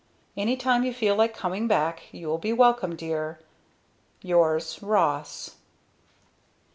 "Any time you feel like coming back you will be welcome, Dear. "Yours, Ross."